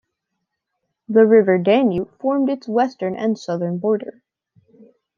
The river Danube formed its western and southern border.